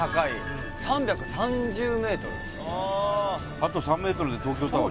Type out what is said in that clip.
あと３メートルで東京タワー。